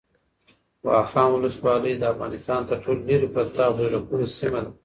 واخان ولسوالۍ د افغانستان تر ټولو لیرې پرته او په زړه پورې سیمه ده.